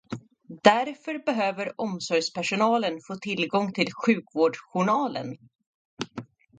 Därför behöver omsorgspersonalen få tillgång till sjukvårdsjournalen.